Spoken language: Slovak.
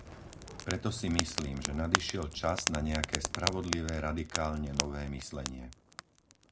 Preto si myslím, že nadišiel čas na nejaké spravodlivé radikálne nové myslenie.